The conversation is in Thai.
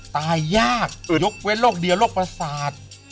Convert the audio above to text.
ตายยากยกเว้นโรคเดียวโรคประสาท